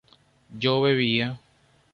yo bebía